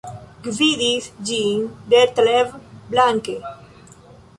Gvidis ĝin Detlev Blanke.